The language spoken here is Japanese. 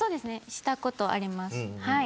したことあります。